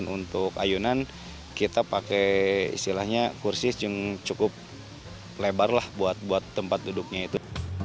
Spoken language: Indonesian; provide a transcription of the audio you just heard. untuk ayunan kita pakai istilahnya kursi yang cukup lebar lah buat tempat duduknya itu